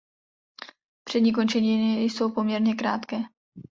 Přední končetiny jsou poměrně krátké.